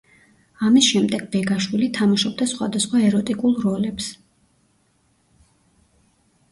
ამის შემდეგ ბეგაშვილი თამაშობდა სხვადასხვა ეროტიკულ როლებს.